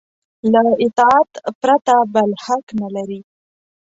له اطاعت پرته بل حق نه لري.